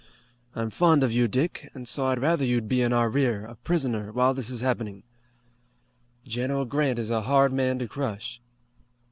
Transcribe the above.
I'm fond of you, Dick, and so I'd rather you'd be in our rear, a prisoner, while this is happening." "General Grant is a hard man to crush."